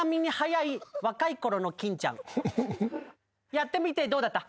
やってみてどうだった？